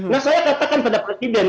nah saya katakan pada presiden